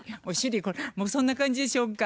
もうそんな感じでしょうか。